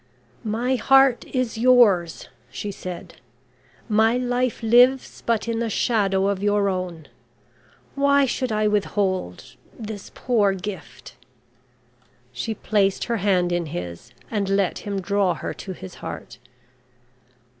"My heart is yours," she said. "My life lives but in the shadow of your own. Why should I withhold this poor gift?" She placed her hand in his, and let him draw her to his heart.